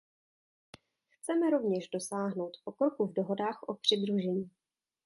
Chceme rovněž dosáhnout pokroku v dohodách o přidružení.